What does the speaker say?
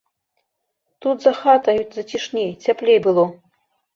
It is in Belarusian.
Тут за хатаю зацішней, цяплей было.